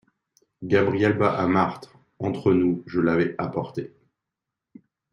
Gabriel bas à Marthe. — Entre nous, je l’avais apporté.